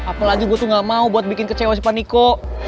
apalagi gue tuh gak mau buat bikin kecewa sih pak niko